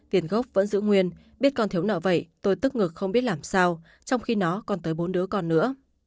tiền gốc vẫn giữ nguyên biết con thiếu nợ vậy tôi tức ngực không biết làm sao trong khi nó còn tới bốn đứa con nữa